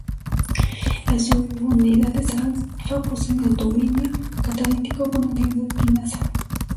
Las subunidades alfa poseen el dominio catalítico con actividad quinasa.